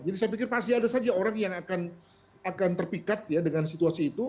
jadi saya pikir pasti ada saja orang yang akan terpikat ya dengan situasi itu